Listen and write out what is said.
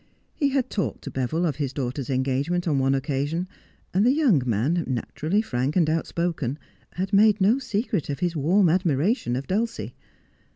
He had talked to Beville of his daughter's engagement on one occasion, and the young man, naturally frank and outspoken, had made no secret of his warm admiration of Dulcie.